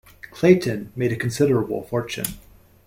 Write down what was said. Clayton made a considerable fortune.